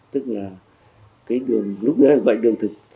tức là cái đường lúc đó là đường thực